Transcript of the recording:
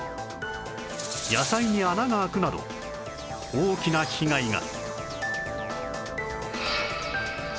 野菜に穴が開くなど大きな被害が